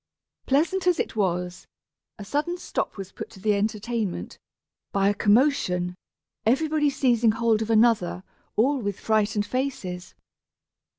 Pleasant as it was, a sudden stop was put to the entertainment, by a commotion, everybody seizing hold of another, all with frightened faces.